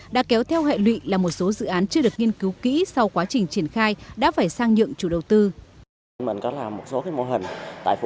đã kéo theo hệ lụy là một số dự án chưa được nghiên cứu kỹ sau quá trình triển khai đã phải sang nhượng chủ đầu tư